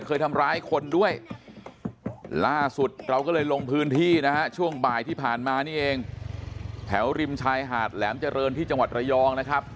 เคยทำร้ายคนด้วยล่าสุดเราก็เลยลงพื้นที่นะฮะช่วงบ่ายที่ผ่านมานี่เองแถวริมชายหาดแหลมเจริญที่จังหวัดระยองนะครับ